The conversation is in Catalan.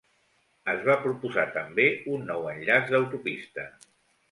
Es va proposar també un nou enllaç d'autopista.